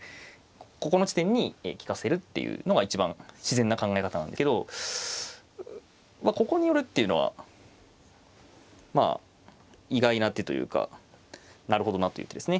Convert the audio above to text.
ここの地点に利かせるっていうのが一番自然な考え方なんですけどここに寄るっていうのはまあ意外な手というかなるほどなという手ですね。